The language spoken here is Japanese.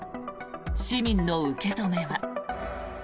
市民の受け止めは。